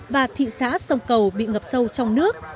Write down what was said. và thị xã sông cầu bị ngập sâu trong nước